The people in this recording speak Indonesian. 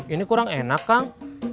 ini kurang enak kang